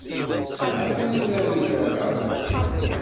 Ahamt ad nurar urar-a.